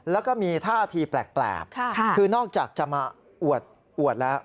แล้วก็มีท่าทีแปลกคือนอกจากจะมาอวดแล้ว